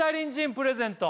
「プレゼント」